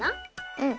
うん。